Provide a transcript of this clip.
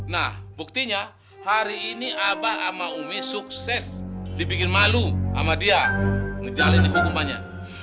nah buktinya hari ini abah sama umi sukses dibikin malu sama dia menjalani hukumannya